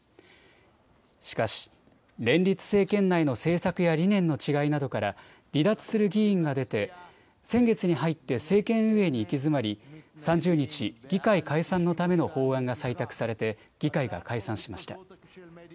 しかし連立政権内の政策や理念の違いなどから離脱する議員が出て先月に入って政権運営に行き詰まり３０日、議会解散のための法案が採択されて議会が解散しました。